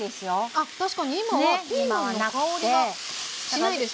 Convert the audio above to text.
あっ確かに今はピーマンの香りはしないです。